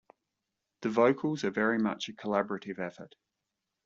The vocals are very much a collaborative effort.